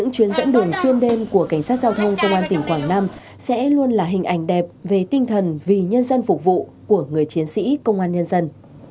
cảnh sát giao thông công an tỉnh quảng nam sẽ luôn là hình ảnh đẹp về tinh thần vì nhân dân phục vụ của người chiến sĩ công an nhân dân